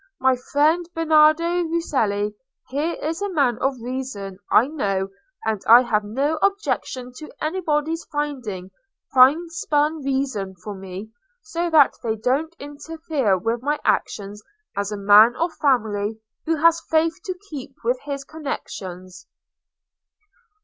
My friend Bernardo Rucellai here is a man of reasons, I know, and I have no objection to anybody's finding fine spun reasons for me, so that they don't interfere with my actions as a man of family who has faith to keep with his connections."